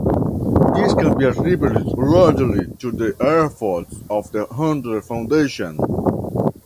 This can be attributed largely to the efforts of the Hunter Foundation.